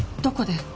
どこで？